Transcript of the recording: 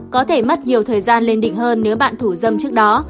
có thể mất nhiều thời gian lên định hơn nếu bạn thủ dâm trước đó